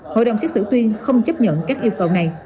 hội đồng xét xử tuyên không chấp nhận các yêu cầu này